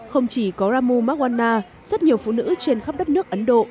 không chỉ có ramu mawana rất nhiều phụ nữ trên khắp đất nước ấn độ